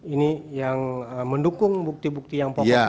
ini yang mendukung bukti bukti yang pokok